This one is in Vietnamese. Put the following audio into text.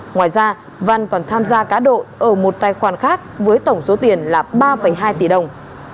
ngoài ra văn còn tham gia cá độ ở một tài khoản khác với tổng số tiền là ba hai tỷ đồng